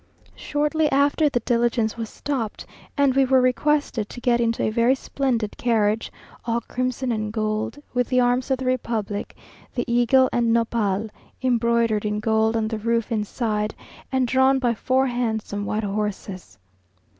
Shortly after the diligence was stopped, and we were requested to get into a very splendid carriage, all crimson and gold, with the arms of the republic, the eagle and nopal, embroidered in gold on the roof inside, and drawn by four handsome white horses.